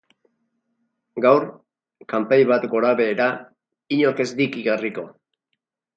Gaur, kanpai bat gorabehera, inork ez dik igarriko.